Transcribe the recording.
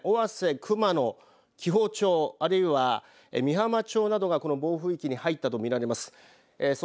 方面尾鷲、熊野、紀宝町あるいは御浜町などがこの暴風域に入ったと見られます。